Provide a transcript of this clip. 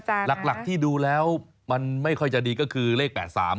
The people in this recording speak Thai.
หลักที่ดูแล้วมันไม่ค่อยจะดีก็คือเลข๘๓